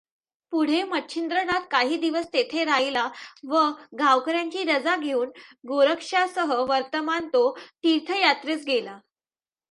पुढे मच्छिंद्रनाथ काही दिवस तेथे राहिला व गावकऱ्यांची रजा घेऊन गोरक्षासहवर्तमान तो तीर्थयात्रेस गेला.